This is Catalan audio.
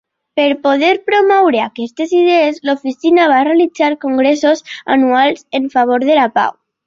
Per poder promoure aquestes idees l'Oficina va realitzar congressos anuals en favor de la pau.